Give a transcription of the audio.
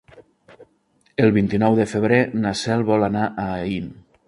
El vint-i-nou de febrer na Cel vol anar a Aín.